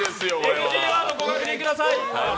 ＮＧワード、ご確認ください。